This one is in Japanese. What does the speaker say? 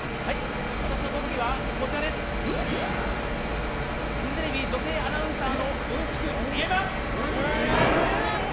私の特技はフジテレビ女性アナウンサーのうんちく言えます！